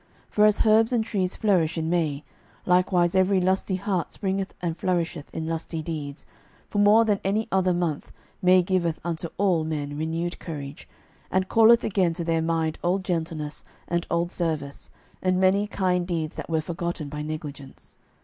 For as herbs and trees flourish in May, likewise every lusty heart springeth and flourisheth in lusty deeds, for more than any other month May giveth unto all men renewed courage, and calleth again to their mind old gentleness and old service, and many kind deeds that were forgotten by negligence.